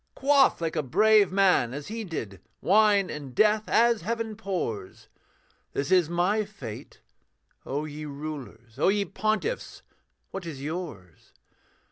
Quaff, like a brave man, as he did, Wine and death as heaven pours This is my fate: O ye rulers, O ye pontiffs, what is yours?